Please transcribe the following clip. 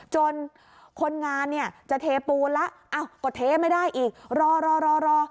จนคนงานเนี่ยจะเทปูนแล้วก็เทไม่ได้อีกรอรอ